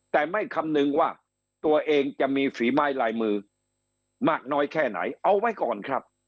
แต่ไม่คำนึงว่าตัวเองจะมีฝีไม้ลายมือมากน้อยแค่ไหนเอาไว้ก่อนครับ